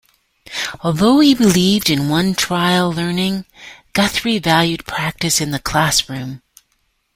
Although he believed in one-trial learning, Guthrie valued practice in the classroom.